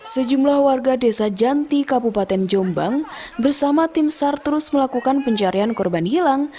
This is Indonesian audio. sejumlah warga desa janti kabupaten jombang bersama tim sar terus melakukan pencarian korban hilang